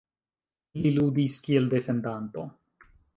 Li ludis kiel defendanto.